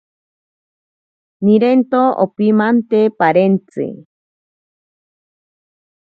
Nirento ompimante parentzi.